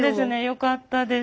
よかったです。